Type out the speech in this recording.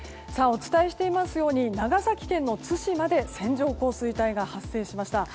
お伝えしていますように長崎県の対馬で線状降水帯が発生しました。